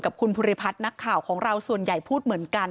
กับคุณภูริพัฒน์นักข่าวของเราส่วนใหญ่พูดเหมือนกัน